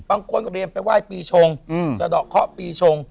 บางคนก็เรียนไปไหว้ปีชงสะดอกเคาะปีชง